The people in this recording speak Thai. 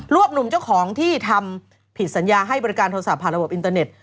วบหนุ่มเจ้าของที่ทำผิดสัญญาให้บริการโทรศัพท์ผ่านระบบอินเตอร์เน็ต